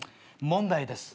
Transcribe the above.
問題です。